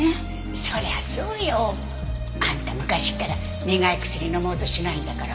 そりゃそうよ。あんた昔から苦い薬飲もうとしないんだから。